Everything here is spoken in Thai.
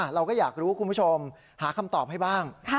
เราก็อยากรู้คุณผู้ชมหาคำตอบให้บ้าง